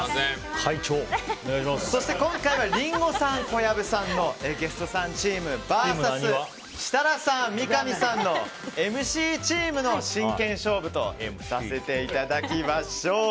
今回はリンゴさん小籔さんのゲストさんチームＶＳ設楽さん、三上さんのＭＣチームの真剣勝負とさせていただきましょう。